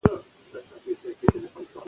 که په ټولنه کې انصاف وي نو خلک کینه نه کوي.